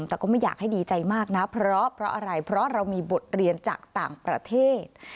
แต่ก็ไม่อยากให้ดีใจมากนะเพราะอะไรเพราะเรามีบทเรียนจากต่างประเทศ